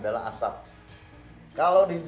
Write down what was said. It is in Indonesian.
sifat dari kebakaran adalah asap